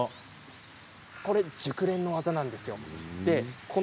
これは熟練の技なんですよ。